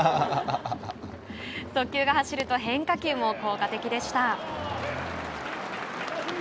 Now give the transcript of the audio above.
速球が走ると変化球も効果的でした。